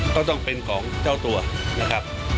ก็ต้องเป็นของเจ้าตัวนะครับ